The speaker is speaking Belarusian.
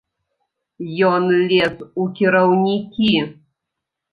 Ён лез у кіраўнікі.